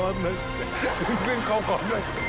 全然顔変わんないですね。